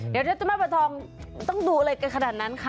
เดี๋ยวเรือทุกคนมาเริ่มแบบว่าว่าต้องดูอะไรกันขนาดนั้นคะ